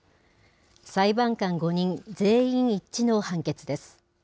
裁判官５人全員一致の判決です。